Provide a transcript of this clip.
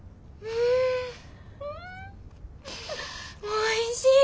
おいしい！